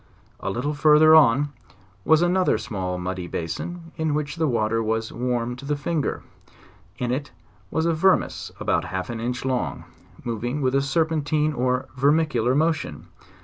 A little further on was another small muddy basin, in which the water was warm to the. finger: in it was a vermes about half an inch long, moving with a serpentine or vermicular motion.